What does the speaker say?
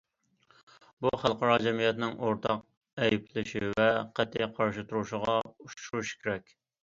بۇ خەلقئارا جەمئىيەتنىڭ ئورتاق ئەيىبلىشى ۋە قەتئىي قارشى تۇرۇشىغا ئۇچرىشى كېرەك.